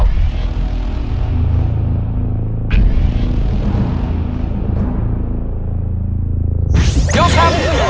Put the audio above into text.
ยกคำ